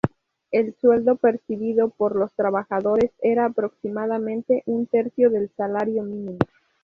El sueldo percibido por los trabajadores era aproximadamente un tercio del salario mínimo.